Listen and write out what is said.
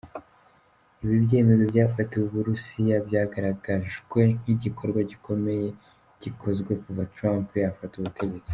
Ibi byemezo byafatiwe u Burusiya byagaragajwe nk’igikorwa gikomeye gikozwe kuva Trump yafata ubutegetsi.